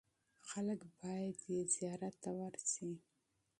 خلک باید یې زیارت ته ورسي.